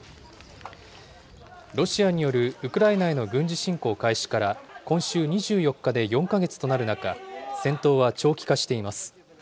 ロシアによるウクライナへの軍事侵攻開始から今週２４日で４か月となる中、戦闘は長期化しています。